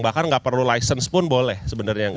bahkan nggak perlu lisens pun boleh sebenarnya yang ini